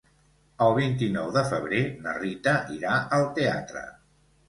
El vint-i-nou de febrer na Rita irà al teatre.